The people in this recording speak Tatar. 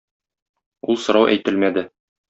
Ул сорау әйтелмәде.